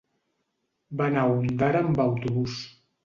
Va anar a Ondara amb autobús.